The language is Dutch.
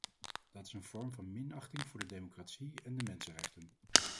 Dat is een vorm van minachting van de democratie en de mensenrechten.